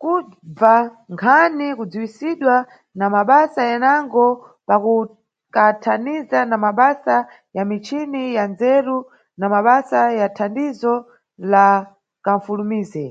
Kubza Nkhani, kudziwisidwa, na mabasa enango, pakukanthaniza na mabasa ya michini ya ndzeru na mabasa ya thandizo la kanʼfulumize.